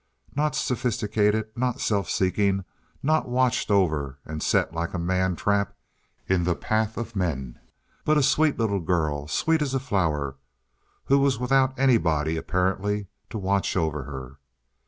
Not sophisticated, not self seeking, not watched over and set like a man trap in the path of men, but a sweet little girl—sweet as a flower, who was without anybody, apparently, to watch over her.